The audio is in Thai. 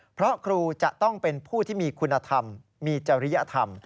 เพราะครูจะต้องเป็นผู้ที่มีคุณธรรมมีจริยธรรม